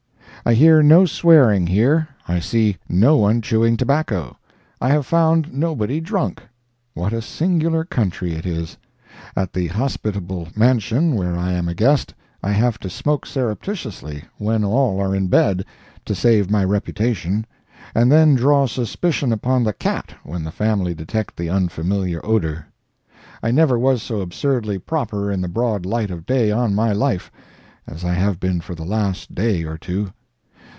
I hear no swearing here, I see no one chewing tobacco, I have found nobody drunk. What a singular country it is. At the hospitable mansion where I am a guest, I have to smoke surreptitiously when all are in bed, to save my reputation, and then draw suspicion upon the cat when the family detect the unfamiliar odor. I never was so absurdly proper in the broad light of day on my life as I have been for the last day or two.